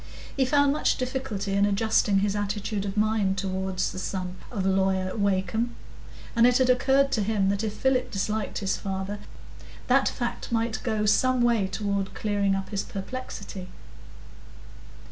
He found much difficulty in adjusting his attitude of mind toward the son of Lawyer Wakem, and it had occurred to him that if Philip disliked his father, that fact might go some way toward clearing up his perplexity.